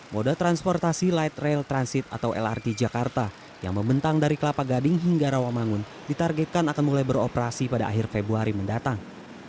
moda transportasi light rail transit atau lrt jakarta yang membentang dari kelapa gading hingga rawamangun ditargetkan akan mulai beroperasi pada akhir februari mendatang